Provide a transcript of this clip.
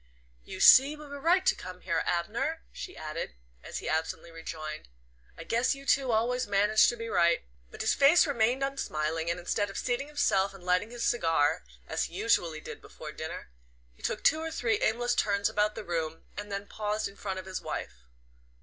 "You see we were right to come here, Abner," she added, and he absently rejoined: "I guess you two always manage to be right." But his face remained unsmiling, and instead of seating himself and lighting his cigar, as he usually did before dinner, he took two or three aimless turns about the room, and then paused in front of his wife.